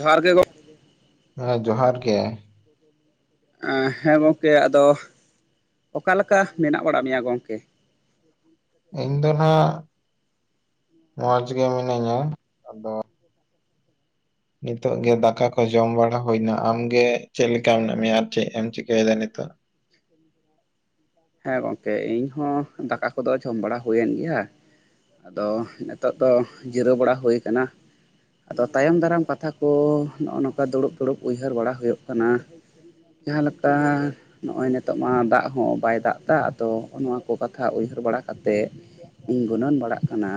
ᱡᱚᱸᱦᱟᱨ ᱜᱮ ᱜᱚᱝ ᱦᱮᱸ ᱡᱚᱦᱟᱨ ᱜᱮ ᱾ [unintelligible] ᱦᱮᱸ ᱜᱚᱢᱠᱮ ᱟᱫᱚ ᱚᱠᱟ ᱞᱮᱠᱟ ᱢᱮᱱᱟᱜ ᱵᱟᱲᱟ ᱢᱮᱭᱟ ᱜᱚᱢᱠᱮ? ᱤᱧ ᱫᱚ ᱱᱟᱜ ᱢᱚᱸᱪ ᱜᱮ ᱢᱤᱱᱟᱹᱧᱟ, ᱟᱫᱚ ᱱᱤᱛᱚᱜ ᱜᱮ ᱫᱟᱠᱟ ᱠᱚ ᱡᱚᱢ ᱵᱟᱲᱟ ᱦᱩᱭᱱᱟ, ᱟᱢᱜᱮ ᱪᱮᱫ ᱞᱮᱠᱟ ᱢᱮᱱᱟᱜ ᱢᱮᱭᱟ ᱟᱨ ᱪᱮᱫ ᱮᱢ ᱪᱤᱠᱟᱹᱭᱮᱫᱟ ᱱᱤᱛᱚᱜ? ᱦᱮᱸ ᱜᱚᱝᱠᱮ ᱤᱧ ᱦᱚᱸ ᱫᱟᱠᱟ ᱠᱚᱫᱚ ᱡᱚᱢ ᱵᱟᱲᱟ ᱦᱩᱭᱮᱱ ᱜᱮᱭᱟ ᱾ ᱟᱫᱚ ᱱᱤᱛᱚᱜ ᱫᱚ ᱡᱤᱨᱟᱹᱣ ᱵᱟᱲᱟ ᱦᱩᱭ ᱠᱟᱱᱟ᱾ ᱟᱫᱚ ᱛᱟᱭᱚᱢ ᱫᱟᱨᱟᱢ ᱠᱟᱛᱷᱟ ᱠᱚ ᱱᱚᱭ ᱱᱚᱝᱠᱟ ᱫᱩᱲᱩᱵ ᱫᱩᱲᱩᱵ ᱩᱭᱦᱟᱹᱨ ᱵᱟᱲᱟ ᱦᱩᱭᱩᱜ ᱠᱟᱱᱟ᱾ ᱡᱟᱦᱟᱞᱮᱠᱟ ᱱᱚᱜᱼᱚᱭ ᱱᱤᱛᱚᱜ ᱢᱟ ᱫᱟᱜ ᱦᱚᱸ ᱵᱟᱭ- ᱫᱟᱜ ᱟᱫᱚ ᱱᱚᱣᱟ ᱠᱚ ᱠᱟᱛᱷᱟ ᱩᱭᱦᱟᱹᱨ ᱵᱟᱲᱟ ᱠᱟᱛᱮᱫ ᱤᱧ ᱜᱩᱱᱟᱹᱱ ᱵᱟᱲᱟᱜ ᱠᱟᱱᱟ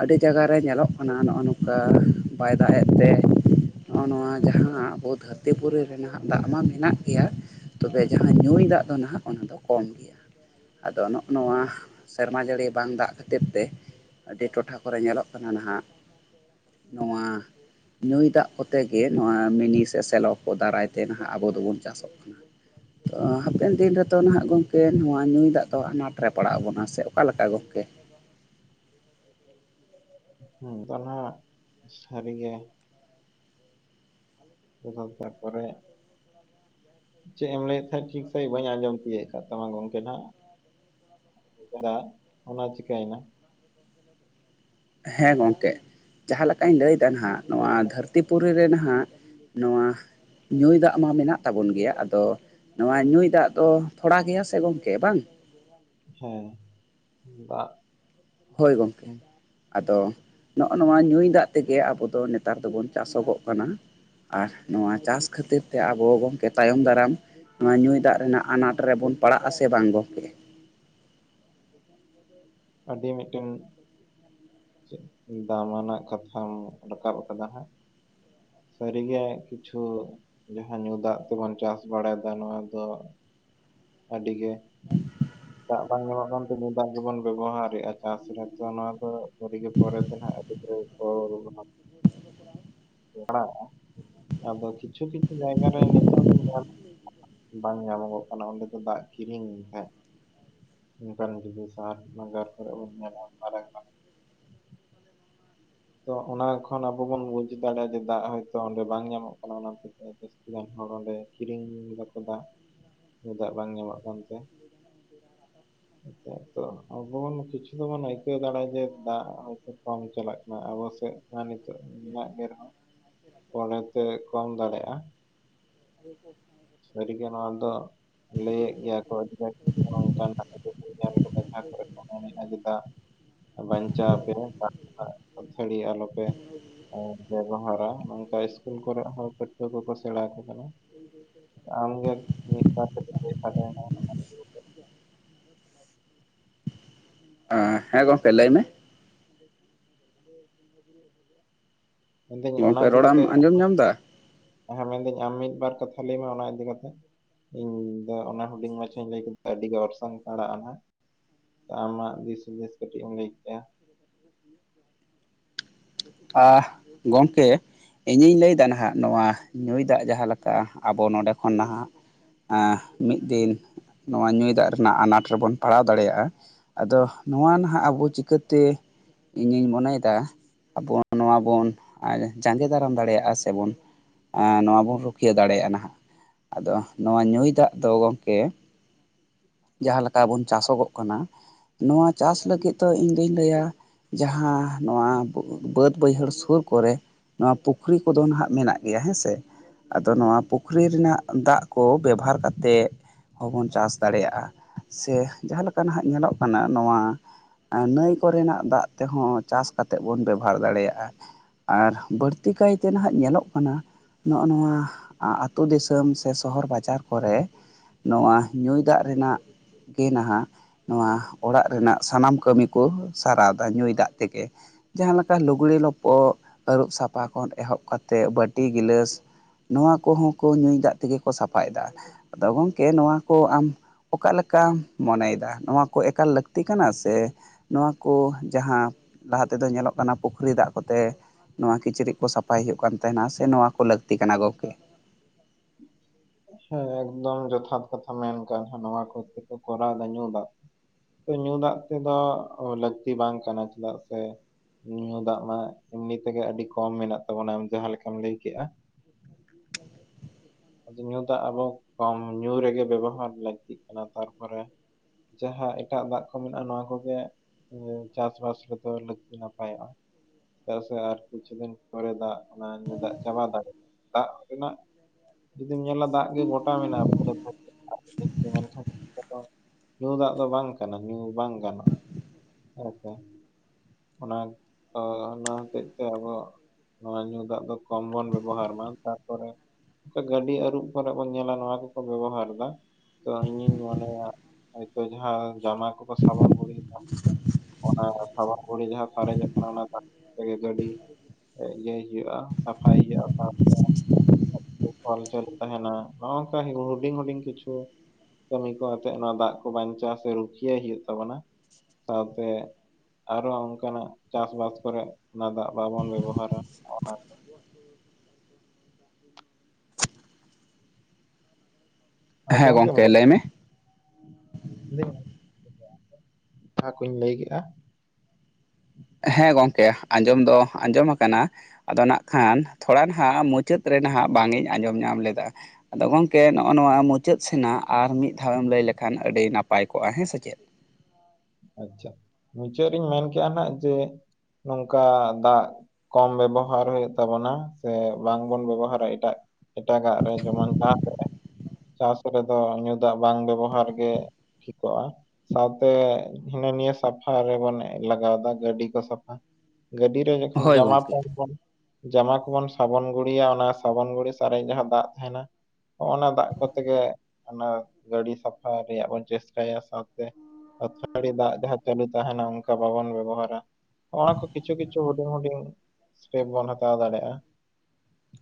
ᱟᱹᱰᱤ ᱡᱟᱭᱜᱟ ᱨᱮ ᱧᱮᱞᱚᱜ ᱠᱟᱱᱟ ᱱᱚ ᱱᱚᱝᱠᱟ ᱵᱟᱭ ᱫᱟᱜ ᱮᱫ ᱛᱮ ᱱᱚᱜᱼᱚ ᱱᱚᱣᱟ ᱡᱟᱦᱟᱸ ᱟᱵᱚ ᱫᱷᱟᱹᱨᱛᱤ ᱯᱩᱨᱤ ᱨᱮᱱᱟᱜ ᱫᱟᱜ ᱢᱟ ᱢᱮᱱᱟᱜ ᱜᱮᱭᱟ, ᱛᱚᱵᱮ ᱡᱟᱦᱟᱸ ᱧᱩᱭ ᱫᱟᱜ ᱫᱚ ᱱᱟᱦᱟᱜ ᱚᱱᱟ ᱫᱚ ᱠᱚᱢ ᱜᱮᱭᱟ᱾ ᱟᱫᱚ ᱱᱚᱜ-ᱱᱚᱣᱟ ᱥᱮᱨᱢᱟ ᱡᱟᱹᱲᱤ ᱵᱟᱝ ᱫᱟᱜ ᱠᱷᱟᱹᱛᱤᱨ ᱛᱮ, ᱟᱹᱰᱤ ᱴᱚᱴᱷᱟ ᱠᱚᱨᱮᱜ ᱧᱮᱞᱚᱜ ᱠᱟᱱᱟ ᱱᱟᱦᱟᱜ ᱱᱚᱣᱟ ᱧᱩᱭ ᱫᱟᱜ ᱠᱚᱛᱮ ᱜᱮ ᱱᱚᱣᱟ ᱢᱤᱱᱤ ᱥᱮ ᱥᱮᱞᱚ ᱠᱚ ᱫᱟᱨᱟᱭ ᱛᱮ ᱱᱟᱦᱟᱜ ᱟᱵᱚ ᱫᱚᱵᱚᱱ ᱪᱟᱥᱚᱜ ᱠᱟᱱᱟ᱾ ᱛᱚ ᱦᱟᱯᱮᱱ ᱫᱤᱱ ᱨᱮᱛᱚ ᱦᱟᱸᱜ ᱜᱚᱢᱠᱮ ᱱᱚᱣᱟ ᱧᱩᱭ ᱫᱟᱜ ᱫᱚ ᱟᱱᱟᱴ ᱨᱮ ᱯᱟᱲᱟᱣ ᱵᱚᱱᱟ ᱥᱮ ᱚᱠᱟ ᱞᱮᱠᱟ ᱜᱚᱢᱠᱮ? [inaudible] ᱥᱟᱹᱨᱤᱜᱮ [inaudible] ᱛᱟᱨᱯᱚᱨᱮ ᱪᱮᱫ ᱮᱢ ᱞᱟᱹᱭᱮᱫ ᱛᱟᱦᱮᱸᱫ ᱴᱷᱤᱠ ᱥᱟᱦᱤᱡ ᱵᱟᱹᱧ ᱟᱡᱚᱢ ᱛᱤᱭᱟᱹᱜ ᱟᱠᱟᱫ ᱛᱟᱢᱟ ᱜᱚᱢᱠᱮ ᱱᱟᱜ [inaudible] ᱚᱱᱟ ᱪᱤᱠᱟᱹᱭᱮᱱᱟ ᱦᱮᱸ ᱜᱚᱢᱠᱮ ᱾ ᱡᱟᱦᱟᱸ ᱞᱮᱠᱟᱧ ᱞᱟᱹᱭᱮᱫᱟ ᱱᱟᱦᱟᱜ ᱱᱚᱣᱟ ᱫᱷᱟᱹᱨᱛᱤ ᱯᱤᱨᱤ ᱨᱮ ᱱᱟᱦᱟᱜ ᱱᱚᱣᱟ ᱧᱩᱭ ᱫᱟᱜ ᱢᱟ ᱢᱮᱱᱟᱜ ᱛᱟᱵᱚᱱ ᱜᱮᱭᱟ, ᱟᱫᱚ ᱱᱚᱣᱟ ᱧᱩᱭ ᱫᱟᱜ ᱫᱚ ᱛᱷᱚᱲᱟ ᱜᱮᱭᱟ ᱥᱮ ᱜᱚᱝᱠᱮ ᱵᱟᱝ ᱦᱮᱸ ᱫᱟᱜ ᱦᱳᱭ ᱜᱚᱝᱠᱮ ᱾ ᱟᱫᱚ ᱱᱚᱜ ᱱᱚᱣᱟ ᱧᱩᱭ ᱫᱟᱜ ᱛᱮᱜᱮ ᱟᱵᱚ ᱫᱚ ᱱᱮᱛᱟᱨ ᱫᱚᱵᱚᱱ ᱪᱟᱥᱚᱜᱚᱜ ᱠᱟᱱᱟ ᱾ ᱟᱨ ᱱᱚᱣᱟ ᱪᱟᱥ ᱠᱷᱟᱹᱛᱤᱨ ᱛᱮ ᱟᱵᱚ ᱜᱚᱢᱠᱮ ᱛᱟᱭᱚᱢ ᱫᱟᱨᱟᱢ ᱱᱚᱣᱟ ᱧᱩᱭ ᱫᱟᱜ ᱨᱮᱱᱟᱜ ᱟᱱᱟᱴ ᱨᱮᱵᱚᱱ ᱯᱟᱲᱟᱜ ᱟᱥᱮ ᱵᱟᱝ ᱜᱚᱢᱠᱮ? ᱟᱹᱰᱤ ᱢᱤᱫᱴᱮᱱ ᱫᱟᱢᱟᱱᱟᱜ ᱠᱟᱛᱷᱟᱢ ᱨᱟᱠᱟᱵ ᱟᱠᱟᱫᱟ ᱦᱟᱸᱜ ᱥᱟᱹᱨᱤᱜᱮ ᱠᱤᱪᱷᱩ ᱡᱟᱦᱟᱸ ᱧᱩ ᱫᱟᱜ ᱛᱮᱵᱚᱱ ᱪᱟᱥ ᱵᱟᱲᱟᱭᱮᱫᱟ ᱱᱚᱣᱟ ᱫᱚ ᱟᱹᱰᱤᱜᱮ ᱫᱟᱜ ᱵᱟᱝ ᱧᱟᱢᱚᱜ ᱠᱟᱱ ᱛᱮ ᱧᱩ ᱫᱟᱜ ᱜᱮᱵᱚᱱ ᱵᱮᱵᱚᱦᱟᱨᱮᱫᱼᱟ ᱪᱟᱥ ᱨᱮᱛᱚ ᱱᱚᱣᱟ ᱫᱚ ᱥᱟᱹᱨᱤᱜᱮ ᱯᱚᱨᱮᱛᱮ ᱱᱟᱦᱟᱜ ᱟᱹᱰᱤ [inaudible] [unintelligible] ᱟᱫᱚ ᱠᱤᱪᱷᱩ ᱠᱤᱪᱷᱩ ᱡᱟᱭᱜᱟ ᱨᱮ ᱱᱤᱛᱚᱜ ᱧᱮᱞᱼᱼ ᱵᱟᱝ ᱧᱟᱢᱚᱜᱚᱜ ᱠᱟᱱᱟ ᱚᱸᱰᱮ ᱫᱚ ᱫᱟᱜ ᱠᱤᱨᱤᱧ ᱦᱮᱼᱼ ᱱᱚᱱᱠᱟᱱ ᱡᱩᱫᱤ ᱥᱟᱦᱟᱨ ᱱᱟᱜᱟᱢ ᱠᱟᱨᱮ ᱵᱚᱱ ᱛᱟᱦᱮᱱᱟ [unintelligible] ᱛᱚ ᱚᱱᱟ ᱠᱷᱚᱱ ᱟᱵᱚ ᱵᱚᱱ ᱵᱩᱡ ᱫᱟᱲᱮᱭᱟᱜᱼᱟ ᱡᱮ ᱫᱟᱜ ᱦᱚᱭᱛᱳ ᱚᱸᱰᱮ ᱵᱟᱝ ᱧᱟᱢᱚᱜ ᱠᱟᱱᱟ ᱚᱱᱟᱛᱮᱼᱼ ᱵᱟᱝ ᱠᱷᱟᱱ ᱚᱸᱰᱤ ᱠᱤᱨᱤᱧ ᱫᱟᱠᱚ ᱫᱟᱜ ᱫᱟᱜ ᱵᱟᱝ ᱧᱟᱢᱚᱜ ᱠᱟᱱᱛᱮ᱾ [inaudible] ᱦᱮ ᱛᱚ ᱟᱵᱚ ᱵᱚᱱ ᱠᱤᱪᱷᱩ ᱫᱚᱵᱚᱱ ᱟᱹᱭᱠᱟᱹᱣ ᱫᱟᱲᱮᱭᱟᱜᱼᱟ ᱡᱮ ᱫᱟᱜ ᱦᱚᱭᱛᱳ ᱠᱚᱢ ᱪᱟᱞᱟᱜᱼᱼ ᱟᱵᱚᱥ ᱥᱮᱫ ᱢᱟ ᱱᱤᱛᱚᱜ ᱫᱟᱜ ᱠᱮ ᱨᱮᱦᱚᱸ ᱯᱚᱨᱮᱛᱮ ᱠᱚᱢ ᱫᱟᱲᱮᱭᱟᱜᱼᱟ᱾ ᱥᱟᱹᱨᱤᱜᱮ ᱱᱚᱣᱟ ᱫᱚ ᱞᱟᱹᱭᱮᱫ ᱜᱮᱭᱟ ᱠᱚ ᱟᱹᱰᱤ ᱱᱚᱝᱠᱟᱼᱼ [unintelligible] ᱢᱮᱱᱮᱫᱟᱜ ᱵᱟᱧᱪᱟᱣ ᱟᱹᱛᱷᱟᱹᱲᱤ ᱟᱞᱚᱯᱮᱼᱼ ᱟᱨ ᱵᱮᱵᱚᱦᱟᱨᱟ ᱱᱚᱝᱠᱟ ᱤᱥᱠᱩᱞ ᱠᱚᱨᱮ ᱦᱚᱸ ᱯᱟᱹᱴᱷᱩᱣᱟᱹ ᱠᱚᱠᱚ ᱥᱮᱬᱟ ᱟᱠᱚ ᱠᱟᱱᱟ᱾ ᱟᱢᱜᱮ ᱢᱤᱫᱵᱟᱨ ᱠᱟᱴᱤᱡ ᱞᱟᱹᱭ ᱥᱟᱰᱮ ᱢᱮᱥᱮ [unintelligible] ᱦᱮᱸ ᱜᱚᱢᱠᱮ ᱞᱟᱹᱭ ᱢᱮ? [inaudible] ᱢᱮᱱᱫᱟᱹᱧ ᱚᱱᱟ ᱜᱚᱝᱠᱮ ᱤᱫᱤ ᱨᱚᱲᱮᱢ ᱠᱟᱛᱮᱫᱼᱼ ᱟᱸᱡᱚᱢ ᱧᱟᱢ ᱮᱫᱟ ᱦᱮᱸ ᱢᱮᱱᱫᱟᱹᱧ ᱟᱢ ᱢᱤᱫ ᱵᱟᱨ ᱠᱟᱛᱷᱟ ᱞᱟᱹᱭ ᱢᱮ ᱚᱱᱟ ᱤᱫᱤ ᱠᱟᱛᱮ? ᱤᱧ ᱫᱚ ᱚᱱᱟ ᱦᱩᱰᱤᱧ ᱢᱟᱪᱷᱟᱧ ᱞᱟᱹᱭ ᱠᱮᱫᱟ ᱟᱹᱰᱤ ᱜᱮ ᱚᱨᱥᱟᱝ ᱯᱟᱲᱟᱜᱼᱟ ᱱᱟᱜ ᱟᱢᱟᱜ ᱫᱤᱥ ᱦᱩᱫᱤᱥ ᱠᱟᱹᱴᱤᱡ ᱮᱢ ᱞᱟᱹᱭ ᱠᱮᱭᱟ? ᱟ ᱜᱚᱢᱠᱮᱼᱼ ᱤᱧᱤᱧ ᱞᱟᱹᱭᱫᱟ ᱱᱟᱦᱟᱜ ᱱᱚᱣᱟ ᱧᱩᱭ ᱫᱟᱜ ᱡᱟᱦᱟᱸ ᱞᱮᱠᱟ ᱟᱵᱚ ᱱᱚᱰᱮ ᱠᱷᱚᱱ ᱱᱟᱦᱟᱜᱼᱼ ᱢᱤᱫ ᱫᱤᱱ ᱱᱚᱣᱟ ᱧᱩᱭ ᱫᱟᱜ ᱨᱮᱱᱟᱜ ᱟᱱᱟᱴ ᱨᱮᱵᱚᱱ ᱯᱟᱲᱟᱣ ᱫᱟᱲᱮᱭᱟᱜᱼᱟ᱾ ᱟᱫᱚ ᱱᱚᱣᱟ ᱱᱟᱦᱟᱜ ᱟᱵᱚ ᱪᱤᱠᱟᱹᱛᱮ ᱤᱧᱤᱧ ᱢᱚᱱᱮᱭᱮᱫᱟ ᱟᱵᱚᱼᱼ ᱱᱚᱣᱟ ᱵᱚᱱ ᱡᱟᱸᱜᱮ ᱫᱟᱨᱟᱢ ᱫᱟᱲᱮᱭᱟᱜᱼᱟ ᱥᱮᱵᱚᱱᱼᱼ ᱟ ᱱᱚᱣᱟ ᱵᱚᱱ ᱨᱩᱠᱷᱤᱭᱟᱹ ᱫᱟᱲᱮᱭᱟᱜᱼᱟ ᱱᱟᱦᱟᱜ᱾ ᱟᱫᱚ ᱱᱚᱣᱟ ᱧᱩᱸᱭ ᱫᱟᱜ ᱫᱚ ᱜᱚᱢᱠᱮ ᱡᱟᱦᱟ ᱞᱮᱸᱠᱟ ᱵᱚᱱ ᱪᱟᱥᱚ ᱜᱚᱜ ᱠᱟᱱᱟ᱾ ᱱᱚᱣᱟ ᱪᱟᱥ ᱞᱟᱹᱜᱤᱫ ᱫᱚ ᱤᱧ ᱫᱩᱧ ᱞᱟᱹᱭᱟ ᱡᱟᱦᱟᱸ ᱱᱚᱣᱟ ᱵᱟᱹᱫᱽᱼᱼ ᱵᱟᱹᱭᱦᱟᱹᱲ ᱥᱩᱨ ᱠᱚᱨᱮ ᱱᱚᱣᱟ ᱯᱩᱠᱷᱨᱤ ᱠᱚᱫᱚ ᱱᱟᱦᱟᱸᱜ ᱢᱮᱱᱟᱜ ᱜᱮᱭᱟ ᱦᱮᱸ ᱥᱮ ᱟᱫᱚ ᱱᱚᱣᱟ ᱯᱩᱠᱷᱨᱤ ᱨᱮᱱᱟᱜ ᱫᱟᱜ ᱠᱚ ᱵᱮᱵᱷᱟᱨ ᱠᱟᱛᱮᱫ ᱦᱚᱸ ᱵᱚᱱ ᱪᱟᱥ ᱫᱟᱲᱮᱭᱟᱜᱼᱟ ᱥᱮ ᱡᱟᱦᱟᱸ ᱞᱮᱠᱟ ᱱᱟᱦᱟᱜ ᱧᱮᱞᱚᱜ ᱠᱟᱱᱟ ᱱᱚᱣᱟᱼᱼ ᱱᱟᱹᱭ ᱠᱚᱨᱮᱱᱟᱜ ᱫᱟᱜ ᱛᱮᱦᱚᱸ ᱪᱟᱥ ᱠᱟᱛᱮᱫ ᱵᱚᱱ ᱵᱮᱵᱷᱟᱨ ᱫᱟᱲᱮᱭᱟᱜᱼᱟ᱾ ᱟᱸᱜ ᱟᱨ ᱵᱟᱹᱲᱛᱤ ᱠᱟᱭᱛᱮ ᱱᱟᱦᱟᱜ ᱧᱮᱞᱚᱜ ᱠᱟᱱᱟ᱾ ᱱᱚᱜᱼᱚ ᱱᱚᱣᱟ ᱟᱛᱳ ᱫᱤᱥᱟᱢ ᱥᱮ ᱥᱚᱦᱚᱨ ᱵᱟᱡᱟᱨ ᱠᱚᱨᱮᱼᱼ ᱱᱚᱣᱟ ᱧᱩᱸᱭ ᱫᱟᱜ ᱨᱮᱱᱟᱜ ᱜᱮ ᱱᱟᱦᱟᱜ᱾ ᱱᱚᱣᱟ ᱚᱲᱟᱜ ᱨᱮᱱᱟᱜ ᱥᱟᱱᱟᱢ ᱠᱟᱹᱢᱤ ᱠᱚ ᱥᱟᱨᱟᱣ ᱫᱟ ᱧᱩᱸᱭ ᱫᱟᱜ ᱛᱮᱜᱮᱼᱼ ᱡᱟᱦᱟᱸ ᱞᱮᱠᱟ ᱞᱩᱜᱽᱲᱤ ᱞᱚᱯᱚᱜ ᱟᱹᱨᱩᱵ ᱥᱟᱯᱷᱟ ᱠᱷᱚᱱ ᱮᱦᱚᱵ ᱠᱟᱛᱮ ᱵᱟᱹᱴᱤ ᱜᱤᱞᱟᱹᱥ, ᱱᱚᱣᱟ ᱠᱚᱸᱦᱚᱸ ᱠᱚ ᱧᱩᱸᱭ ᱫᱟᱜ ᱛᱮᱜᱮ ᱠᱚ ᱥᱟᱯᱷᱟᱭ ᱫᱟ ᱟᱫᱚ ᱜᱚᱢᱠᱮ ᱱᱚᱣᱟ ᱠᱚ ᱟᱢᱼᱼ ᱚᱠᱟ ᱞᱮᱠᱟᱢ ᱢᱚᱱᱮ ᱭᱮᱫᱟ ᱱᱚᱣᱟ ᱠᱚ ᱮᱠᱟᱞ ᱞᱟᱹᱠᱛᱤ ᱠᱟᱱᱟ ᱥᱮᱼᱼ ᱱᱚᱣᱟ ᱠᱚ ᱡᱟᱦᱟᱸ ᱞᱟᱦᱟ ᱛᱮᱫᱚ ᱧᱮᱞᱚᱜ ᱠᱟᱱᱟ ᱯᱩᱠᱷᱨᱤ ᱫᱟᱜ ᱠᱚᱫᱼᱼ ᱛᱮ ᱱᱚᱣᱟ ᱠᱤᱪᱨᱤᱡ ᱠᱚ ᱥᱟᱯᱷᱟᱭ ᱦᱩᱭᱩᱜ ᱠᱟᱱ ᱛᱮ ᱱᱟᱥᱮ ᱱᱚᱣᱟ ᱠᱚ ᱞᱟᱹᱠᱛᱤ ᱠᱟᱱᱟ ᱜᱚᱢᱠᱮ? [inaudible] ᱦᱮᱸ ᱮᱠᱫᱚᱢ ᱡᱚᱛᱷᱟᱛ ᱠᱟᱛᱷᱟᱢ ᱢᱮᱱ ᱠᱟᱜᱼᱟ ᱱᱚᱣᱟ ᱠᱚ ᱠᱚᱨᱟᱣ ᱫᱟ ᱧᱸᱩ ᱫᱟ ᱧᱩᱸ ᱫᱟᱜ ᱛᱮᱫᱚ ᱞᱟᱹᱠᱛᱤ ᱵᱟᱝ ᱠᱟᱱᱟ ᱪᱮᱫᱟᱜ ᱥᱮᱼᱼ ᱧᱩᱸ ᱫᱟᱜ ᱢᱟ ᱮᱢᱱᱤ ᱛᱮᱜᱮ ᱟᱹᱰᱤ ᱠᱚᱢ ᱢᱮᱱᱟᱜ ᱛᱟᱵᱚᱱᱟ ᱡᱟᱦᱟᱸ ᱞᱮᱠᱟᱢ ᱞᱟᱹᱭ ᱠᱮᱜᱼᱟ᱾ ᱟᱫᱚ ᱧᱩᱸ ᱫᱟᱜ ᱟᱵᱚ ᱠᱚᱢ ᱧᱩᱸ ᱨᱮᱜᱮ ᱵᱮᱵᱚᱦᱟᱨ ᱞᱟᱹᱠᱛᱤᱜ ᱠᱟᱱᱟ ᱛᱟᱨᱯᱚᱨᱮ ᱡᱟᱦᱟᱸ ᱮᱴᱟᱜ ᱫᱟᱜ ᱠᱚ ᱢᱮᱱᱟᱜᱼᱟ ᱱᱚᱣᱟ ᱠᱚᱜᱮ ᱪᱟᱥ ᱵᱟᱥ ᱨᱮᱫᱚ ᱞᱟᱹᱠᱛᱤ ᱱᱟᱯᱟᱭᱚᱜᱼᱟ᱾ ᱪᱮᱫᱟᱜ ᱥᱮ ᱟᱨ ᱠᱤᱪᱷᱩ ᱫᱤᱱ ᱯᱚᱨᱮ ᱫᱟᱜ ᱚᱱᱟ ᱧᱩᱸ ᱫᱟᱜ ᱪᱟᱵᱟ ᱫᱟᱲᱮᱭᱟᱜᱼᱟ ᱫᱟᱜ ᱨᱮᱱᱟᱜ ᱡᱩᱫᱤᱢ ᱧᱮᱸᱞᱟ ᱫᱟᱜ ᱜᱮ ᱜᱚᱴᱟ ᱢᱮᱱᱟᱜᱼᱟ ᱯᱩᱨᱟᱹ ᱢᱮᱱᱠᱷᱟᱱ ᱫᱚ ᱧᱩᱸ ᱫᱟᱜ ᱫᱚ ᱵᱟᱝ ᱠᱟᱱᱟ ᱧᱩᱸ ᱵᱟᱝ ᱜᱟᱱᱚᱜᱼᱟ᱾ ᱦᱚᱸ ᱥᱮ ᱱᱟ ᱚᱱᱟ ᱦᱚᱛᱮᱡ ᱛᱮ ᱟᱵᱚ ᱱᱚᱣᱟ ᱧᱩᱸ ᱫᱟᱜ ᱫᱚ ᱠᱚᱢ ᱵᱚᱱ ᱵᱮᱵᱚᱦᱟᱨ ᱢᱟ ᱛᱟᱨᱯᱚᱨᱮ ᱜᱟᱹᱰᱤ ᱟᱹᱨᱩᱵ ᱠᱚᱨᱮ ᱵᱚᱱ ᱧᱮᱸᱞᱟ ᱱᱚᱣᱟ ᱠᱚᱠᱚ ᱵᱮᱵᱚᱦᱟᱨ ᱮᱫᱟ᱾ ᱛᱚ ᱤᱧᱤᱧ ᱢᱚᱱᱮᱭᱟ ᱦᱚᱭᱛᱚ ᱡᱟᱦᱟᱸ ᱡᱟᱢᱟ ᱠᱚᱠᱚ ᱥᱟᱵᱚᱱ ᱜᱩᱲᱤᱭᱮᱫᱟ᱾ ᱚᱱᱟ ᱥᱟᱵᱚᱱᱜᱩᱲᱤ ᱡᱟᱦᱟᱸ ᱥᱟᱨᱮ ᱡᱚᱜ ᱠᱟᱱᱟ ᱚᱱᱟ ᱫᱟᱜ ᱛᱮ ᱜᱮ ᱜᱟᱹᱰᱤ ᱤᱭᱟᱹᱭ ᱦᱳᱭᱳᱜᱼᱟ ᱥᱟᱯᱷᱟᱭ ᱦᱩᱭᱩᱜᱼᱟ᱾ ᱚᱞᱪᱚᱞ ᱛᱟᱦᱮᱱᱟ ᱱᱚᱜᱝᱠᱟ ᱦᱩᱰᱤᱧ ᱦᱩᱰᱤᱧ ᱠᱤᱪᱷᱩ ᱠᱟᱹᱢᱤ ᱠᱚ ᱟᱛᱮᱫ ᱱᱚᱣᱟ ᱫᱟᱜ ᱠᱚ ᱵᱟᱧᱪᱟᱹᱜ ᱥᱮ ᱨᱩᱠᱷᱤᱭᱟᱹ ᱦᱩᱭᱩᱜ ᱛᱟᱵᱚᱱᱟ ᱛᱚ ᱟᱯᱮ ᱟᱨ ᱦᱚᱸ ᱚᱱ ᱠᱟᱱᱟᱜ ᱪᱟᱥ ᱵᱟᱥ ᱠᱚᱨᱮ ᱚᱱᱟ ᱫᱟᱜ ᱵᱟᱵᱚᱱ ᱵᱮᱵᱚᱦᱟᱨᱟ᱾ ᱚᱱᱟᱛᱮ ᱦᱮᱸ ᱟᱸᱡᱚᱢ ᱜᱚᱢᱠᱮ ᱞᱟᱹᱭ ᱢᱮ ᱞᱟᱹᱭ ᱢᱮ ᱡᱟᱦᱟ ᱠᱚᱸᱧ ᱞᱟᱹᱭ ᱠᱮᱜᱼᱟ ᱦᱮᱸ ᱜᱚᱝᱠᱮ ᱟᱸᱡᱚᱢ ᱫᱚ ᱟᱸᱡᱚᱢ ᱟᱠᱟᱱᱟ᱾ ᱟᱫᱚ ᱱᱟᱜ ᱠᱷᱟᱱ ᱛᱷᱚᱲᱟ ᱱᱟᱦᱟᱸᱜ ᱢᱩᱪᱟᱹᱫ ᱨᱮ ᱱᱟᱦᱟᱜ ᱵᱟᱝ ᱤᱧ ᱟᱸᱡᱚᱢ ᱧᱟᱢ ᱞᱮᱫᱟ᱾ ᱟᱫᱚ ᱜᱚᱝᱠᱮ ᱱᱚᱜᱼᱚ ᱱᱚᱣᱟ ᱢᱩᱪᱟᱹᱫ ᱥᱮᱱᱟᱜ ᱟᱨ ᱢᱤᱫ ᱫᱷᱟᱣ ᱮᱢ ᱞᱟᱹᱭ ᱞᱮᱠᱷᱟᱱ ᱟᱹᱰᱤ ᱱᱟᱯᱟᱭ ᱠᱚᱜᱼᱟ ᱦᱮᱸ ᱥᱮ ᱪᱮᱫ᱾ ᱟᱪᱪᱷᱟ ᱢᱩᱪᱟᱹᱫ ᱨᱤᱧ ᱢᱮᱱ ᱠᱮᱜᱼᱟ ᱡᱮ ᱱᱚᱝᱠᱟ ᱫᱟᱜ ᱠᱚᱢ ᱵᱮᱵᱚᱦᱟᱨ ᱦᱩᱭᱩᱜ ᱛᱟᱵᱚᱱᱟ ᱥᱮ ᱵᱟᱝ ᱵᱚᱱ ᱵᱮᱵᱚᱦᱟᱨᱟ ᱮᱴᱟᱜ ᱮᱴᱟᱜᱟᱜ ᱨᱮ ᱡᱮᱢᱚᱱ ᱯᱟᱠ ᱮᱜᱟᱭ ᱪᱟᱥ ᱨᱮᱫᱚ ᱧᱩᱸ ᱫᱟᱜ ᱵᱟᱝ ᱵᱮᱵᱚᱦᱟᱨ ᱜᱮ ᱴᱷᱤᱠᱚᱜᱼᱟ ᱥᱟᱶᱛᱮ ᱦᱤᱱᱟᱹ ᱱᱤᱭᱟᱹ ᱥᱟᱯᱷᱟ ᱨᱮᱵᱚᱱ ᱞᱟᱜᱟᱣ ᱫᱟ ᱜᱟᱹᱰᱤ ᱠᱚ ᱥᱟᱯᱷᱟ ᱜᱟᱹᱰᱤ ᱨᱮ ᱡᱚᱠᱷᱚᱱ ᱦᱳᱭ ᱡᱟᱢᱟ ᱜᱚᱝᱠᱮ ᱯᱮᱱ ᱵᱚᱱ ᱡᱟᱢᱟ ᱠᱚᱵᱚᱱ ᱥᱟᱵᱚᱱ ᱜᱩᱲᱤᱭᱟ ᱚᱱᱟ ᱥᱟᱵᱚᱱ ᱜᱩᱲᱤ ᱥᱟᱨᱮᱡ ᱡᱟᱦᱟᱸ ᱫᱟᱜ ᱛᱟᱦᱮᱱᱟ᱾ ᱦᱚᱸᱜᱼᱚ ᱚᱱᱟ ᱫᱟᱜ ᱠᱚᱛᱮ ᱜᱮ ᱚᱱᱟ ᱜᱟᱹᱰᱤ ᱥᱟᱯᱷᱟ ᱨᱮᱭᱟᱜ ᱵᱚᱱ ᱪᱮᱥᱴᱟᱭᱟ ᱥᱟᱶᱛᱮ ᱥᱟᱹᱲᱤ ᱫᱟᱜ ᱡᱟᱦᱟᱸ ᱪᱟᱹᱞᱩ ᱛᱟᱦᱮᱱᱟ ᱚᱱᱠᱟ ᱵᱟᱵᱚᱱ ᱵᱮᱵᱚᱦᱟᱨᱟ ᱱᱚᱜ ᱚᱱᱟ ᱠᱚ ᱠᱤᱪᱷᱩ -ᱠᱤᱪᱷᱩ ᱦᱩᱰᱤᱧ ᱦᱩᱰᱤᱧ ᱥᱮᱯ ᱵᱚᱱ ᱦᱟᱛᱟᱣ ᱫᱟᱲᱮᱭᱟᱜᱼᱟ᱾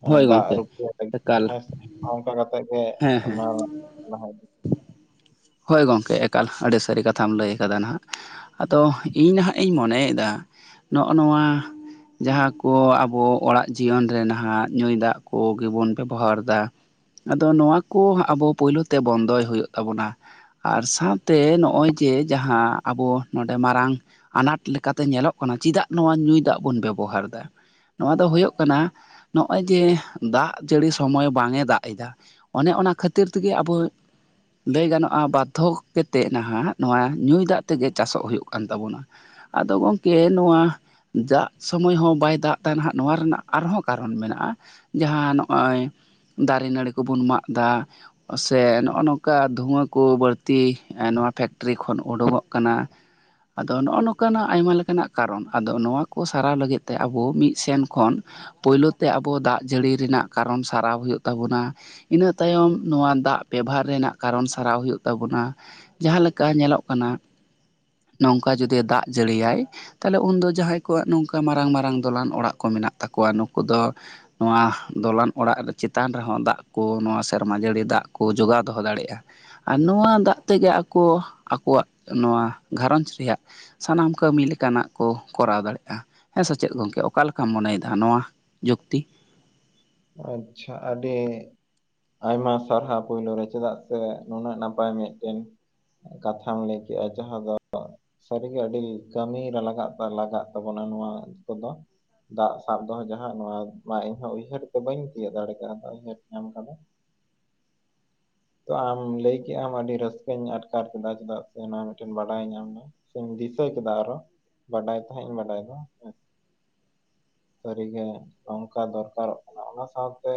ᱦᱳᱭ ᱫᱟᱜ ᱜᱚᱝᱠᱮ ᱨᱩᱯ ᱞᱟᱹᱜᱤᱫ ᱮᱠᱟᱞ ᱦᱮᱸᱥ, ᱚᱱᱠᱟ ᱠᱟᱛᱮᱜ ᱜᱮ ᱦᱮᱸ ᱦᱮᱸ ᱞᱟᱦᱟ ᱦᱳᱭ ᱜᱚᱢᱠᱮ ᱮᱠᱟᱞ ᱟᱹᱰᱤ ᱥᱟᱹᱨᱤ ᱠᱟᱛᱷᱟᱢ ᱞᱟᱹᱭ ᱟᱠᱟᱫᱟ ᱱᱟᱦᱟᱜ᱾ ᱟᱫᱚ ᱤᱧ ᱱᱟᱦᱜ ᱤᱧ ᱢᱚᱱᱮᱭᱮᱫᱟ ᱱᱚᱜᱼᱚ ᱱᱚᱣᱟ ᱡᱟᱦᱟᱸ ᱠᱚ ᱟᱵᱚ ᱚᱲᱟᱜ ᱡᱤᱭᱚᱱ ᱨᱮ ᱱᱟᱦᱟᱜ ᱧᱩᱭ ᱫᱟᱜ ᱠᱚᱜᱮᱵᱚᱱ ᱵᱮᱵᱚᱦᱟᱨᱫᱟ᱾ ᱟᱫᱚ ᱱᱚᱣᱟ ᱠᱚ ᱟᱵᱚ ᱯᱩᱭᱞᱩ ᱛᱮ ᱵᱚᱱᱫᱚᱭ ᱦᱩᱭᱩᱜ ᱛᱟᱵᱚᱱᱟ᱾ ᱟᱨ ᱥᱟᱶᱛᱮ ᱱᱚᱜᱼᱚᱭ ᱡᱮ ᱡᱟᱦᱟᱸ ᱟᱵᱚ ᱱᱚᱰᱮ ᱢᱟᱨᱟᱝ ᱟᱱᱟᱴ ᱞᱮᱠᱟᱛᱮ ᱧᱮᱞᱚᱜ ᱠᱟᱱᱟ ᱪᱮᱫᱟᱜ ᱱᱚᱣᱟ ᱧᱩᱭ ᱫᱟᱜ ᱵᱚᱱ ᱵᱮᱵᱚᱦᱟᱨ ᱮᱫᱟ᱾ ᱱᱚᱣᱟ ᱫᱚ ᱦᱩᱭᱩᱜ ᱠᱟᱱᱟ ᱱᱚᱜᱼᱚᱭ ᱡᱮ ᱫᱟᱜ ᱡᱟᱹᱲᱤ ᱥᱚᱢᱚᱭ ᱵᱟᱝ ᱮ ᱫᱟᱜ ᱮᱫᱟ᱾ ᱚᱱᱮ ᱚᱱᱟ ᱠᱷᱟᱹᱛᱤᱨ ᱛᱮᱜᱮ ᱟᱵᱚ ᱞᱟᱹᱭ ᱜᱟᱱᱚᱜ ᱵᱟᱫᱽᱫᱷᱚ ᱠᱟᱛᱮᱫ ᱱᱟᱦᱟᱜ ᱱᱚᱣᱟ ᱧᱩᱭ ᱫᱟᱜ ᱛᱮᱜᱮ ᱪᱟᱥᱚᱜ ᱦᱩᱭᱩᱜ ᱠᱟᱱ ᱛᱟᱵᱚᱱᱟ᱾ ᱟᱫᱚ ᱜᱚᱝᱠᱮ ᱱᱚᱣᱟ ᱫᱟᱜ ᱥᱚᱢᱚᱭ ᱦᱚᱸ ᱵᱟᱭ ᱫᱟᱜ ᱛᱟᱦᱮ ᱦᱟᱜ ᱱᱚᱣᱟ ᱨᱮᱱᱟᱜ ᱟᱨᱦᱚᱸ ᱠᱟᱨᱚᱱ ᱢᱮᱱᱟᱜᱼᱟ᱾ ᱡᱟᱦᱟᱸ ᱱᱚᱜᱼᱚᱭ ᱫᱟᱨᱮ ᱱᱟᱹᱲᱤ ᱠᱚᱵᱚᱱ ᱢᱟᱜ ᱫᱟ ᱥᱮ ᱱᱚᱜᱼᱚ ᱱᱚᱝᱠᱟ ᱫᱷᱩᱣᱟᱹ ᱠᱚ ᱵᱟᱹᱲᱛᱤ ᱱᱚᱣᱟ ᱯᱷᱮᱠᱴᱨᱤ ᱠᱷᱚᱱ ᱩᱰᱩᱝᱚᱜ ᱠᱟᱱᱟ᱾ ᱟᱫᱚ ᱱᱚᱜᱼᱱᱚᱝᱠᱟᱱᱟᱜ ᱟᱭᱢᱟ ᱞᱮᱠᱟᱱᱟᱜ ᱠᱟᱨᱚᱱ ᱟᱫᱚ ᱱᱚᱣᱟ ᱠᱚ ᱥᱟᱨᱟᱣ ᱞᱟᱹᱜᱤᱫ ᱛᱮ ᱟᱵᱚ ᱢᱤᱫ ᱥᱮᱱ ᱠᱷᱚᱱ ᱯᱳᱭᱞᱳ ᱛᱮ ᱟᱵᱚ ᱫᱟᱜ ᱡᱟᱹᱲᱤ ᱨᱮᱱᱟᱜ ᱠᱟᱨᱚᱱ ᱥᱟᱨᱟᱣ ᱦᱩᱭᱩᱜ ᱛᱟᱵᱚᱱᱟ᱾ ᱤᱱᱟᱹ ᱛᱟᱭᱚᱢ ᱱᱚᱣᱟ ᱫᱟᱜ ᱵᱮᱵᱷᱟᱨ ᱨᱮᱱᱟᱜ ᱠᱟᱨᱚᱱ ᱥᱟᱨᱟᱣ ᱦᱩᱭᱩᱜ ᱛᱟᱵᱚᱱᱟ ᱡᱟᱦᱟᱸ ᱞᱮᱠᱟ ᱧᱮᱞᱚᱜ ᱠᱟᱱᱟ ᱱᱚᱝᱠᱟ ᱡᱩᱫᱤ ᱫᱟᱜ ᱡᱟᱹᱲᱤᱭᱟᱭ ᱛᱟᱦᱞᱮ ᱩᱱᱫᱚ ᱡᱟᱦᱟᱸᱭ ᱠᱚᱣᱟᱜ ᱱᱚᱝᱠᱟ ᱢᱟᱨᱟᱝ - ᱢᱟᱨᱟᱝ ᱫᱚᱞᱟᱱ ᱚᱲᱟᱜ ᱠᱚ ᱢᱮᱱᱟᱜ ᱛᱟᱠᱚᱣᱟ ᱱᱩᱠᱩ ᱫᱚ ᱱᱚᱣᱟ ᱫᱚᱞᱟᱱ ᱚᱲᱟᱜ ᱪᱮᱛᱟᱱ ᱨᱮᱦᱚᱸ ᱫᱟᱜ ᱠᱚ ᱱᱚᱣᱟ ᱥᱮᱨᱢᱟ ᱡᱟᱹᱲᱤ ᱫᱟᱜ ᱠᱚ ᱡᱚᱜᱟᱣ ᱫᱚᱦᱚ ᱫᱟᱲᱮᱭᱟᱜᱼᱟ᱾ ᱟᱨ ᱱᱚᱣᱟ ᱫᱟᱜ ᱛᱮᱜᱮ ᱟᱠᱚ ᱟᱠᱚᱣᱟᱜ ᱱᱚᱣᱟ ᱜᱷᱟᱨᱚᱸᱡᱽ ᱨᱮᱭᱟᱜ ᱥᱟᱱᱟᱢ ᱠᱟᱹᱢᱤ ᱞᱮᱠᱟᱱᱟᱜ ᱠᱚ ᱠᱚᱨᱟᱣ ᱫᱟᱲᱮᱭᱟᱜᱼᱟ᱾ ᱦᱮᱸ ᱥᱮᱪᱮᱫ ᱜᱚᱢᱠᱮ ᱚᱠᱟ ᱞᱮᱠᱟᱢ ᱢᱚᱱᱮᱭᱮᱫᱟ ᱱᱚᱣᱟ ᱡᱩᱠᱛᱤ? ᱟᱪᱪᱷᱟ ᱟᱹᱰᱤ ᱟᱭᱢᱟ ᱥᱟᱨᱦᱟᱣ ᱯᱳᱭᱞᱳ ᱨᱮ, ᱪᱮᱫᱟᱜ ᱥᱮ ᱱᱩᱱᱟᱹᱜ ᱱᱟᱯᱟᱭ ᱢᱤᱫᱴᱮᱱ ᱠᱟᱛᱷᱟᱢ ᱞᱟᱹᱭ ᱠᱮᱟᱜ ᱡᱟᱦᱟᱸ ᱫᱚ ᱥᱟᱹᱨᱤᱜᱮ ᱟᱹᱰᱤ ᱠᱟᱹᱢᱤᱨᱮ ᱞᱟᱜᱟᱜ- ᱞᱟᱜᱟᱜ ᱛᱟᱵᱚᱱᱟ ᱱᱚᱣᱟ ᱠᱚᱫᱚ᱾ ᱫᱟᱜ ᱥᱟᱵ ᱫᱚᱦᱚ ᱡᱟᱦᱟᱸ ᱱᱚᱣᱟ ᱢᱟ ᱤᱧᱦᱚᱸ ᱩᱭᱦᱟᱹᱨ ᱵᱟᱹᱧ ᱛᱤᱭᱳᱜ ᱫᱟᱲᱮ ᱠᱟᱣᱫᱟ ᱩᱭᱦᱟᱹᱨᱟ ᱧᱟᱢ ᱠᱟᱫᱟ᱾ ᱛᱚ ᱟᱢ ᱞᱟᱹᱭ ᱠᱮ ᱟᱢ ᱟᱹᱰᱤ ᱨᱟᱹᱥᱠᱟᱹᱧ ᱟᱴᱠᱟᱨ ᱠᱮᱫᱟ ᱪᱮᱫᱟᱜ ᱥᱮ ᱚᱱᱟ ᱢᱤᱫᱴᱮᱱ ᱵᱟᱰᱟᱭ ᱧᱟᱢ ᱱᱟ ᱥᱮᱧ ᱫᱤᱥᱟᱹ ᱠᱮᱫᱟ ᱟᱨᱚ ᱵᱟᱰᱟᱭ ᱛᱟᱦᱮᱸᱫ ᱤᱧ ᱵᱟᱰᱟᱭᱫᱚ ᱦᱮᱸ᱾ ᱥᱟᱹᱨᱤᱜᱮ ᱚᱝᱠᱟ ᱫᱚᱨᱠᱟᱨᱚᱜ ᱚᱱᱟ ᱥᱟᱶᱛᱮ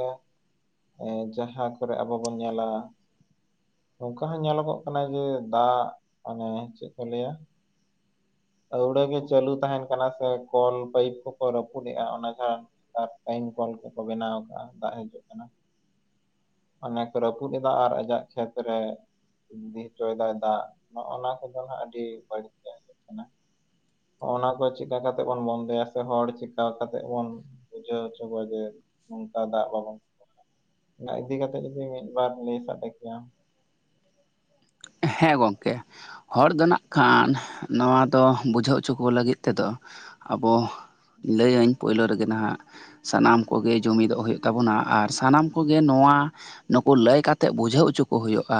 ᱮᱸ ᱡᱟᱦᱟᱸ ᱠᱚᱨᱮ ᱟᱵᱚ ᱵᱚᱱ ᱧᱮᱞᱟ ᱱᱚᱝᱠᱟ ᱦᱚᱸ ᱧᱮᱞᱚᱜᱚᱜ ᱠᱟᱱᱟ ᱡᱮ ᱫᱟᱜ ᱚᱱᱮ ᱪᱮᱫ ᱠᱚ ᱞᱟᱹᱭᱟ ᱟᱹᱣᱲᱟᱹᱜ ᱜᱮ ᱪᱟᱹᱞᱩ ᱛᱟᱦᱮᱸᱱ ᱠᱟᱱᱟ ᱥᱮ ᱠᱚᱞ ᱯᱟᱹᱭᱤᱯ ᱠᱚᱠᱚ ᱨᱟᱹᱯᱩᱫ ᱮᱜᱼᱟ ᱚᱱᱟ ᱡᱟ ᱟᱨ ᱴᱟᱭᱤᱢ ᱠᱚᱞ ᱠᱚᱠᱚ ᱵᱮᱱᱟᱣ ᱠᱟᱜᱼᱟ ᱫᱟᱜ ᱦᱤᱡᱩᱜ ᱠᱟᱱᱟ᱾ ᱚᱱᱮ ᱠᱚ ᱨᱟᱹᱯᱩᱫ ᱮᱫᱟ ᱟᱨ ᱟᱡᱟᱜ ᱠᱷᱮᱛ ᱨᱮ ᱤᱫᱤ ᱦᱚᱪᱚᱭᱫᱟᱭ ᱫᱟᱜ ᱱᱚᱜᱼᱚ ᱱᱚᱣᱟ ᱠᱚᱫᱚ ᱱᱟᱜ ᱟᱹᱰᱤ ᱵᱟᱹᱲᱤᱡᱜ ᱦᱳᱭᱳᱜ ᱠᱟᱱᱟ᱾ ᱱᱚᱜᱼᱱᱟ ᱠᱚ ᱪᱤᱠᱟ ᱠᱟᱛᱮ ᱵᱚᱱ ᱵᱚᱱᱫᱚᱮᱭᱟ ᱥᱮ ᱦᱚᱲ ᱪᱤᱠᱟ ᱠᱟᱛᱮ ᱵᱚᱱ ᱵᱩᱪᱟᱹᱣ ᱦᱚᱪᱚ ᱠᱚᱣᱟ ᱡᱮ ᱱᱚᱝᱠᱟ ᱫᱟᱜ ᱵᱟᱵᱚᱱ, ᱚᱱᱟ ᱤᱫᱤ ᱠᱟᱛᱮᱫ ᱡᱩᱫᱤ ᱢᱤᱫᱵᱟᱨ ᱞᱟᱹᱭ ᱥᱟᱰᱮ ᱠᱮᱭᱟ, ᱦᱮᱸ ᱜᱚᱝᱠᱮ᱾ ᱦᱚᱲ ᱫᱚ ᱱᱟᱜ-ᱠᱷᱟᱱ ᱱᱚᱣᱟ ᱫᱚ ᱵᱩᱡᱷᱟᱹᱣ ᱦᱚᱪᱚ ᱠᱚ ᱞᱟᱹᱜᱤᱫ ᱛᱮᱫᱚ, ᱟᱵᱚ ᱞᱟᱹᱭᱟᱹᱧ ᱯᱳᱭᱞᱳ ᱨᱮᱜᱮ ᱱᱟᱦᱟᱸᱜ ᱥᱟᱱᱟᱢ ᱠᱚᱜᱮ ᱡᱩᱢᱤᱫᱚᱜ ᱦᱩᱭᱩᱜ ᱛᱟᱵᱚᱱᱟ ᱟᱨ ᱥᱟᱱᱟᱢ ᱠᱚᱜᱮ ᱱᱚᱣᱟ ᱱᱩᱠᱩ ᱞᱟᱹᱭ ᱠᱟᱛᱮᱜ ᱵᱩᱡᱷᱟᱹᱣ ᱦᱚᱪᱚ ᱠᱩ ᱦᱩᱭᱩᱜᱼᱟ,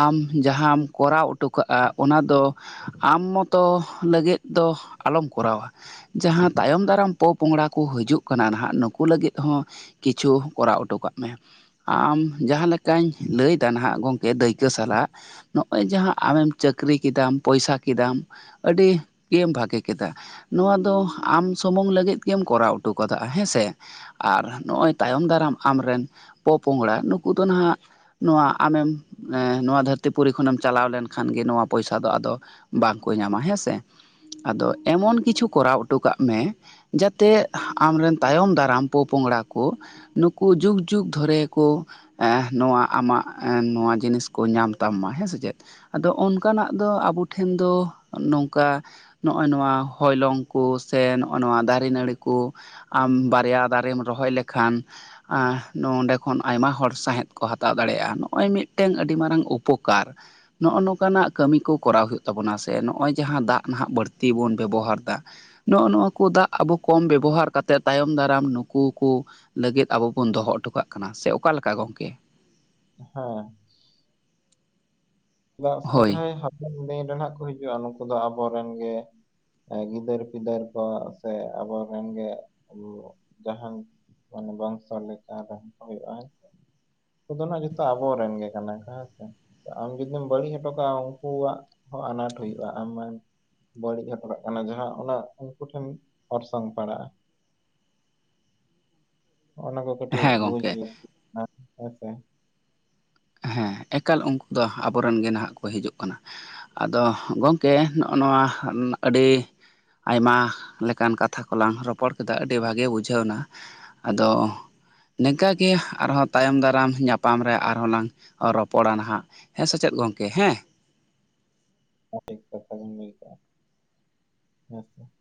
ᱟᱢ ᱡᱟᱦᱟᱸᱢ ᱠᱚᱨᱟᱣ ᱚᱴᱚ ᱠᱟᱜᱼᱟ ᱚᱱᱟ ᱫᱚ ᱟᱢ ᱢᱚᱛᱚ ᱞᱟᱹᱜᱤᱫ ᱫᱚ ᱟᱞᱚᱢ ᱠᱚᱨᱟᱣᱟ᱾ ᱡᱟᱦᱟᱸ ᱛᱟᱭᱚᱢ ᱫᱟᱨᱟᱢ ᱯᱚᱼᱯᱚᱝᱲᱟ ᱠᱚ ᱦᱤᱡᱩᱜ ᱠᱟᱱᱟ ᱱᱟᱦᱟᱸᱜ ᱱᱩᱠᱩ ᱞᱟᱹᱜᱤᱫ ᱦᱚᱸ ᱠᱤᱪᱷᱩ ᱠᱚᱨᱟᱣ ᱦᱚᱴᱚ ᱠᱟᱜ ᱢᱮ᱾ ᱟᱢ ᱡᱟᱦᱟᱸ ᱞᱮᱠᱟᱧ ᱞᱟᱹᱭ ᱫᱟ ᱱᱟᱦᱟᱸᱜ ᱜᱚᱢᱠᱮ ᱫᱟᱹᱭᱠᱟᱹ ᱥᱟᱞᱟᱜ, ᱱᱚᱜᱼᱚᱭ ᱡᱟᱦᱟᱸ ᱟᱢᱮᱢ ᱪᱟᱹᱠᱨᱤ ᱠᱮᱫᱟᱢ ᱯᱚᱭᱥᱟ ᱠᱮᱫᱟᱢ ᱟᱹᱰᱤ ᱜᱮᱢ ᱵᱷᱟᱜᱮ ᱠᱮᱫᱟ᱾ ᱱᱚᱣᱟ ᱫᱚ ᱟᱢ ᱥᱩᱢᱩᱝ ᱞᱟᱹᱜᱤᱫ ᱜᱮᱢ ᱠᱚᱨᱟᱣ ᱦᱚᱴᱚ ᱠᱟᱫᱟ ᱦᱮᱸᱥᱮ᱾ ᱟᱨ ᱱᱚᱜᱼᱚᱭ ᱛᱟᱭᱚᱢ ᱫᱟᱨᱟᱢ ᱟᱢᱨᱮᱱ ᱯᱚᱼᱯᱚᱝᱲᱟ ᱱᱩᱠᱩ ᱫᱚ ᱱᱟᱦᱟᱸᱜ ᱱᱚᱣᱟ ᱟᱢᱮᱢ ᱱᱚᱣᱟ ᱫᱷᱟᱹᱨᱛᱤ ᱫᱷᱟᱹᱨᱛᱤ ᱯᱩᱨᱤ ᱠᱷᱚᱱᱮᱢ ᱪᱟᱞᱟᱣ ᱞᱮᱱᱠᱷᱟᱱ ᱜᱮ ᱱᱚᱣᱟ ᱯᱚᱭᱥᱟ ᱫᱚ ᱟᱫᱚ ᱵᱟᱝ ᱠᱚ ᱧᱟᱢᱟ ᱦᱮᱸ ᱥᱮ᱾ ᱟᱫᱚ ᱮᱢᱚᱱ ᱠᱤᱪᱷᱩ ᱠᱚᱨᱟᱣ ᱦᱚᱴᱚ ᱠᱟᱜ ᱢᱮ? ᱡᱟᱛᱮ ᱟᱢᱨᱮᱱ ᱛᱟᱭᱚᱢ ᱫᱟᱨᱟᱢ ᱯᱚᱯᱚᱝᱲᱟ ᱠᱚ, ᱱᱩᱠᱩ ᱡᱩᱜᱽ ᱡᱩᱜᱽ ᱫᱷᱚᱨᱮ ᱠᱚ, ᱱᱚᱣᱟ ᱟᱢᱟᱜ ᱱᱚᱣᱟ ᱡᱤᱱᱤᱥ ᱠᱚ ᱧᱟᱢ, ᱛᱟᱢ ᱢᱟ ᱦᱮᱸ ᱥᱮ ᱪᱮᱫ? ᱟᱫᱚ ᱚᱱᱠᱟᱱᱟᱜ ᱫᱚ ᱟᱵᱚ ᱴᱷᱮᱱ ᱫᱚ ᱱᱚᱝᱠᱟ, ᱱᱚᱜᱼᱚᱭ ᱱᱚᱣᱟ ᱦᱚᱭᱞᱚᱝ ᱠᱚ ᱥᱮ ᱱᱚᱜᱼᱚᱭ ᱱᱚᱣᱟ ᱫᱟᱨᱮ ᱱᱟᱹᱲᱤ ᱠᱚ, ᱟᱢ ᱵᱟᱨᱭᱟ ᱫᱟᱨᱮᱢ ᱨᱚᱦᱚᱭ ᱞᱮᱠᱷᱟᱱ? ᱱᱚᱸᱰᱮ ᱠᱷᱚᱱ ᱟᱭᱢᱟ ᱦᱚᱲ ᱥᱟᱸᱣᱦᱮᱫ ᱠᱚ ᱦᱟᱛᱟᱣ ᱫᱟᱲᱮᱭᱟᱜᱼᱟ᱾ ᱱᱚᱜᱼᱚᱭ ᱢᱤᱫᱴᱮᱱ ᱟᱹᱰᱤ ᱢᱟᱨᱟᱝ ᱩᱯ ᱩᱯᱚᱠᱟᱨ᱾ ᱱᱚᱜᱼᱚ ᱱᱚᱝᱠᱟ ᱱᱟᱜ ᱠᱟᱹᱢᱤ ᱠᱚ ᱠᱚᱨᱟᱣ ᱦᱩᱭᱩᱜ ᱛᱟᱵᱚᱱᱟ ᱥᱮ ᱱᱚᱜᱼᱚᱭ ᱡᱟᱦᱟᱸ ᱫᱟᱜ ᱱᱟᱦᱟᱜ ᱵᱟᱹᱲᱛᱤ ᱵᱚᱱ ᱵᱮᱵᱚᱦᱟᱨ ᱮᱫᱟ᱾ ᱱᱚᱜ-ᱚ ᱱᱚᱣᱟ ᱠᱚ ᱫᱟᱜ ᱟᱵᱚ ᱠᱚᱢ ᱵᱮᱵᱚᱦᱟᱨ ᱠᱟᱛᱮᱫ ᱛᱟᱭᱚᱢ ᱫᱟᱨᱟᱢ ᱱᱩᱠᱩ ᱠᱚ, ᱞᱟᱹᱜᱤᱫ ᱟᱵᱚ ᱵᱚᱱ ᱫᱚᱦᱚ ᱦᱚᱴᱚ ᱠᱟᱜ ᱠᱟᱱᱟ ᱥᱮ ᱚᱠᱟ ᱞᱮᱠᱟ ᱜᱚᱢᱠᱮ? ᱦᱮᱸ, ᱪᱮᱫᱟᱜ ᱥᱮ ᱦᱳᱭ ᱡᱟᱦᱟᱸᱭ ᱦᱟᱯᱮᱱ ᱫᱤᱱ ᱨᱮ ᱦᱟᱸᱜ ᱠᱚ ᱦᱤᱡᱩᱜᱼᱟ, ᱱᱩᱠᱩ ᱫᱚ ᱟᱵᱚᱨᱮᱱ ᱜᱮ᱾ ᱜᱤᱫᱟᱹᱨ- ᱯᱤᱫᱟᱹᱨ ᱠᱚ ᱥᱮ ᱟᱵᱚᱨᱮᱱ ᱜᱮ ᱡᱟᱦᱟᱱ ᱢᱟᱱᱮ ᱵᱚᱝᱥᱚ ᱞᱮᱠᱟ ᱨᱮᱦᱚᱸ ᱦᱩᱭᱩᱜᱼᱟ ᱦᱮᱸᱥᱮ? ᱩᱱᱠᱩ ᱫᱚ ᱱᱟᱜ ᱡᱚᱛᱚ ᱟᱵᱚᱨᱮᱱ ᱜᱮ ᱠᱟᱱᱟ ᱠᱚ ᱦᱮᱸ ᱥᱮ᱾ ᱡᱩᱫᱤᱢ ᱵᱟᱹᱲᱤᱡ ᱦᱚᱴᱚ ᱠᱟᱜᱼᱟ᱾ ᱩᱱᱠᱩᱣᱟᱜ ᱦᱚᱸ ᱟᱱᱟᱴ ᱦᱩᱭᱩᱜᱼᱟ᱾ ᱟᱢᱮ ᱵᱟᱹᱲᱤᱡ ᱦᱚᱴᱚ ᱠᱟᱜ ᱠᱟᱱᱟ ᱡᱟᱦᱟᱸ ᱚᱱᱟ ᱩᱱᱠᱩ ᱴᱷᱮᱱ ᱚᱨᱥᱚᱝ ᱯᱟᱲᱟᱜᱼᱟ᱾ ᱚᱱᱟ ᱠᱚ ᱠᱟᱹᱴᱤᱡ ᱦᱮᱸ ᱵᱩᱡᱽ ᱜᱚᱝᱠᱮ ᱞᱟᱹᱠᱛᱤᱜ ᱠᱟᱱᱟ ᱦᱮᱸ ᱥᱮ? ᱦᱮᱸ ᱮᱠᱟᱞ ᱩᱱᱠᱩ ᱫᱚ ᱟᱵᱚ ᱨᱮᱱ ᱜᱮ ᱱᱟᱦᱟᱜ ᱠᱚ ᱦᱤᱡᱩᱜ ᱠᱟᱱᱟ᱾ ᱟᱫᱚ ᱜᱚᱢᱠᱮ ᱱᱚᱜᱼᱚ ᱱᱚᱣᱟ ᱟᱹᱰᱤ ᱟᱭᱢᱟ ᱞᱮᱠᱟᱱ ᱠᱟᱛᱷᱟ ᱠᱚᱞᱟᱝ ᱨᱚᱯᱚᱲ ᱠᱮᱫᱟ, ᱟᱹᱰᱤ ᱵᱷᱟᱜᱮ ᱵᱩᱡᱷᱟᱹᱣ ᱮᱱᱟ᱾ ᱟᱫᱚ ᱱᱤᱝᱠᱟᱹ ᱜᱮ ᱟᱨ ᱦᱚᱸ ᱛᱟᱭᱚᱢ ᱫᱟᱨᱟᱢ ᱧᱟᱯᱟᱢ ᱨᱮ ᱟᱨᱦᱚᱸ ᱞᱟᱝ ᱨᱚᱯᱚᱲᱟ ᱱᱟᱦᱟᱜ ᱦᱮᱸ ᱥᱮ ᱪᱮᱫ ᱜᱚᱢᱠᱮ ᱦᱮᱸ? [unintelligible] [unintelligible]